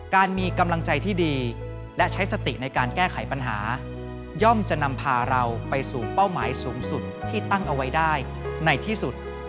การมีกำลังใจที่ดีและใช้สติในการแก้ไขปัญหาย่อมจะนำพาเราไปสู่เป้าหมายสูงสุดที่ตั้งเอาไว้ได้ในที่สุด